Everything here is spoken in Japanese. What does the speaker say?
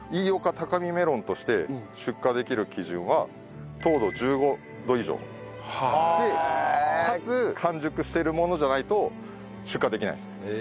タカミメロンとして出荷できる基準は糖度１５度以上でかつ完熟しているものじゃないと出荷できないです。